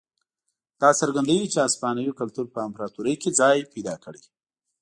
دا څرګندوي چې هسپانوي کلتور په امپراتورۍ کې ځای پیدا کړی.